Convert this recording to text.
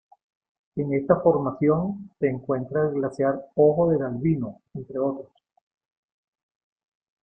En esta formación se encuentra el glaciar Ojo del Albino, entre otros.